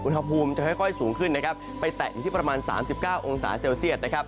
อุณหภูมิจะค่อยสูงขึ้นไปแตะอยู่ที่ประมาณ๓๙องศาเซลเซียต